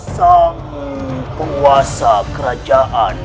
sang penguasa kerajaan